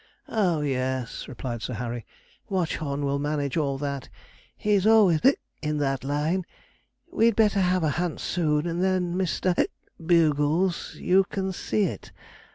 'Oh yes,' replied Sir Harry; 'Watchorn will manage all that. He's always in that line. We'd better have a hunt soon, and then, Mr. Bugles, you can see it.'